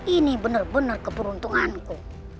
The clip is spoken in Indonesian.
ini benar benar keberuntunganku